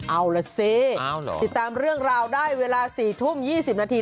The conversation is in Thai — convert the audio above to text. เอาล่ะสิติดตามเรื่องราวได้เวลา๔ทุ่ม๒๐นาที